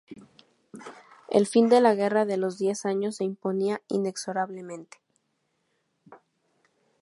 El fin de la Guerra de los Diez Años se imponía inexorablemente.